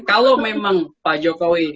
kalau memang pak jokowi